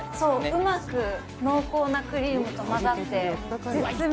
うまく濃厚なクリームと混ざって絶妙！